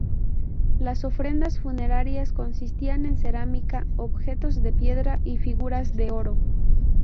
Las ofrendas funerarias consistían en cerámica, objetos de piedra y figuras de oro.